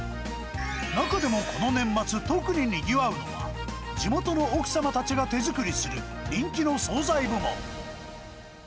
中でもこの年末、特ににぎわうのは、地元の奥様達が手作りする人気の総菜部門。